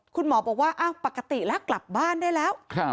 คุณหมอบอกว่าอ้าวปกติแล้วกลับบ้านได้แล้ว